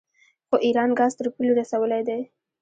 خو ایران ګاز تر پولې رسولی دی.